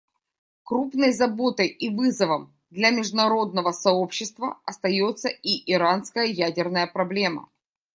Крупной заботой и вызовом для международного сообщества остается и иранская ядерная проблема.